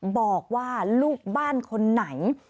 บอกว่าลูกบ้านคนไหน